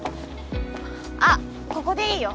あっここでいいよ。